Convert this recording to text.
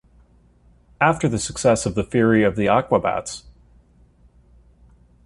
After the success of The Fury of The Aquabats!